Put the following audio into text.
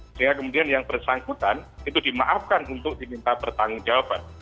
sehingga kemudian yang bersangkutan itu dimaafkan untuk diminta pertanggungjawaban